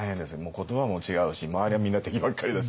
言葉も違うし周りはみんな敵ばっかりだし。